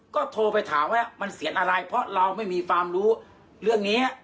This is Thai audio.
ก็โทรไปถามว่ามันเสียงอะไรเพราะเราไม่มีความรู้เรื่องนี้